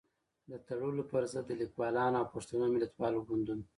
د تړلو پر ضد د ليکوالانو او پښتنو ملتپالو ګوندونو